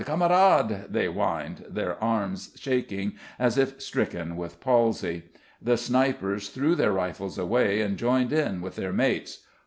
Kamerad!" they whined, their arms shaking as if stricken with palsy. The snipers threw their rifles away and joined in with their mates.